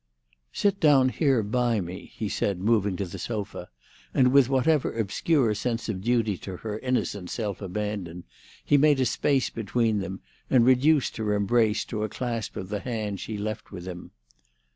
"Sit down here by me," he said, moving to the sofa; and with whatever obscure sense of duty to her innocent self abandon, he made a space between them, and reduced her embrace to a clasp of the hand she left with him.